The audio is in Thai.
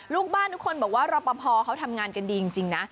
ลูกบ้านทุกคนบอกว่ารอปภเขาทำงานกันดีจริงนะ